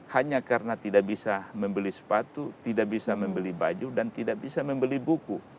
hanya karena tidak bisa membeli sepatu tidak bisa membeli baju dan tidak bisa membeli buku